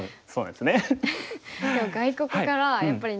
そうなんですか。